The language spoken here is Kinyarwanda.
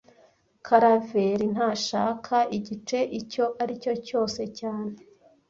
Karaveri ntashaka igice icyo aricyo cyose cyane